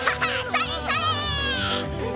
それそれ。